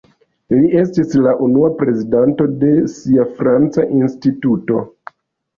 Li estis la unua prezidanto de sia franca instituto.